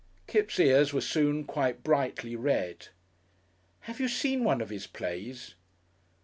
Kipps' ears were soon quite brightly red. "Have you seen one of his plays?"